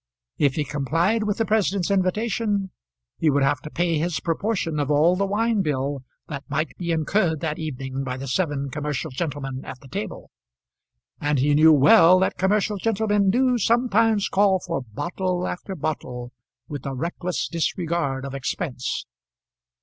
If he complied with the president's invitation he would have to pay his proportion of all the wine bill that might be incurred that evening by the seven commercial gentlemen at the table, and he knew well that commercial gentlemen do sometimes call for bottle after bottle with a reckless disregard of expense.